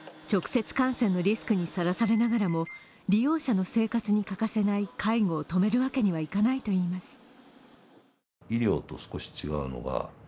直接感染のリスクにさらされながらも利用者の生活に欠かせない介護を止めるわけにはいかないといいます。